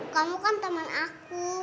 kamu kan teman aku